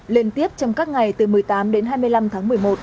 liên tiếp trong các ngày từ một mươi tám đến hai mươi năm tháng một mươi một